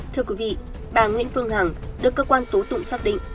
thưa quý vị bà nguyễn phương hằng được cơ quan tố tụng xác định